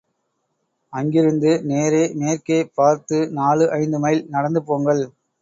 அங்கிருந்து நேரே மேற்கே பார்த்து நாலு ஐந்து மைல் நடந்து போங்கள்.